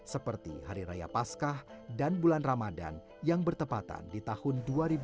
seperti hari raya paskah dan bulan ramadan yang bertepatan di tahun dua ribu dua puluh